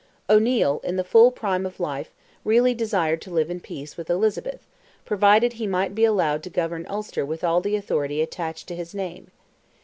O'Neil, in the full prime of life, really desired to live in peace with Elizabeth, provided he might be allowed to govern Ulster with all the authority attached to his name.